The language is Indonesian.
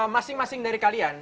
masing masing dari kalian